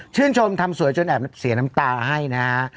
ชมทำสวยจนแอบเสียน้ำตาให้นะฮะ